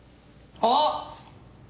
あっ！